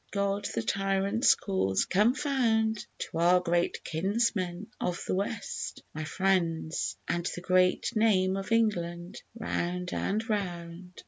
God the tyrant's cause confound! To our great kinsmen of the West, my friends, And the great name of England round and round.